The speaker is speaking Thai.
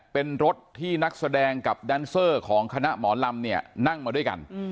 เป็นรถที่นักแสดงกับแดนเซอร์ของคณะหมอลำเนี่ยนั่งมาด้วยกัน